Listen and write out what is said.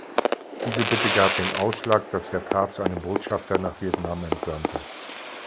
Diese Bitte gab den Ausschlag, dass der Papst einen Botschafter nach Vietnam entsandte.